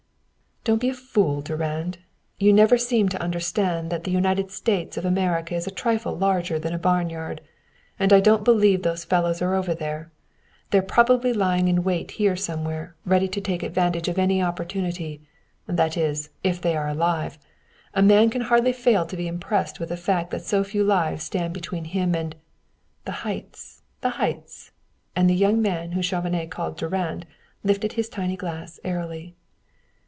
"Don't be a fool, Durand. You never seem to understand that the United States of America is a trifle larger than a barnyard. And I don't believe those fellows are over there. They're probably lying in wait here somewhere, ready to take advantage of any opportunity, that is, if they are alive. A man can hardly fail to be impressed with the fact that so few lives stand between him and " "The heights the heights!" And the young man, whom Chauvenet called Durand, lifted his tiny glass airily.